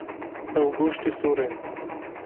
Ew goştê sor e.